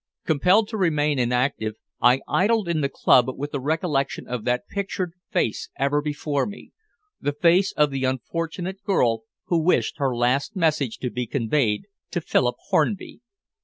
Compelled to remain inactive, I idled in the club with the recollection of that pictured face ever before me the face of the unfortunate girl who wished her last message to be conveyed to Philip Hornby.